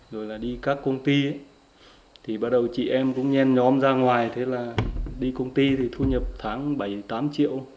rồi là đi các công ty thì bắt đầu chị em cũng nhen nhóm ra ngoài thế là đi công ty thì thu nhập tháng bảy tám triệu